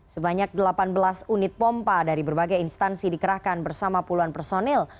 sebanyak delapan belas unit pompa dari berbagai instansi dikerahkan bersama puluhan personil